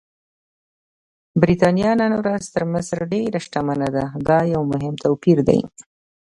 برېټانیا نن ورځ تر مصر ډېره شتمنه ده، دا یو مهم توپیر دی.